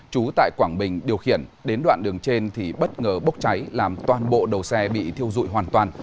chú tại quảng bình điều khiển đến đoạn đường trên thì bất ngờ bốc cháy làm toàn bộ đầu xe bị thiêu dụi hoàn toàn